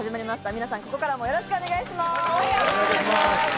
皆さん、ここからも、よろしくお願いします。